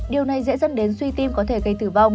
điều này dễ dẫn đến suy tim có thể gây tử vong